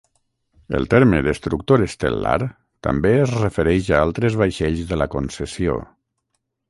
El terme "Destructor estel·lar" també es refereix a altres vaixells de la concessió.